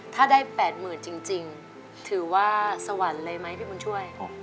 ถ้าได้๘๐๐๐จริงถือว่าสวรรค์เลยไหมพี่บุญช่วย